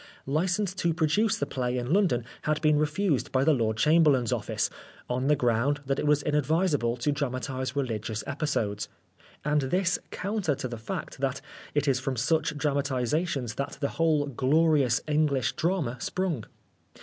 Licence to produce 'the play in London had been refused by the Lord Chamberlain's office, on the ground that it was inadvisable to dramatise religious episodes, and this counter to the fact that it is from such dramatisations that the whole, glorious, English drama sprung.